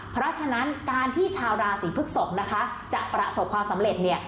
เพราะฉะนั้นการที่ชาวราศีพฤกษกนะคะจะประสบความสำเร็จเนี่ย